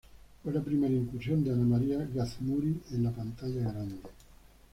Fue la primera incursión de Ana María Gazmuri en la pantalla grande.